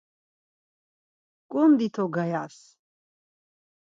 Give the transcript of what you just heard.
ǩundi to gayas!